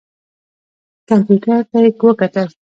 کمپیوټر ته یې وکتل.